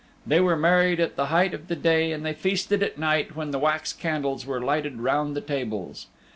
They were married at the height of the day and they feasted at night when the wax candles were lighted round the tables.